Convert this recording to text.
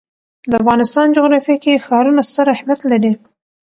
د افغانستان جغرافیه کې ښارونه ستر اهمیت لري.